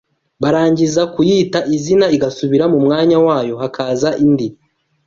barangiza kuyita izina igasubira mu mwanya wayo, hakaza indi